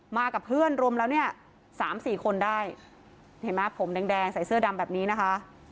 มากับเพื่อนรวมแล้วเนี่ยสามสี่คนได้เห็นไหมผมแดงแดงใส่เสื้อดำแบบนี้นะคะ